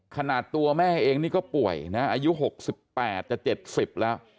ขนาดตัวแม่เองนี่ก็ป่วยนะอายุ๖๘จะ๗๐แล้ว